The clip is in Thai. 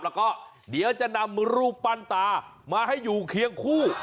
แล้วก็เดี๋ยวจะนำรูปปั้นตามาให้อยู่เคียงคู่